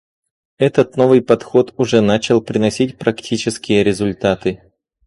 Этот новый подход уже начал приносить практические результаты.